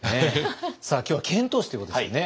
さあ今日は遣唐使ということですよね。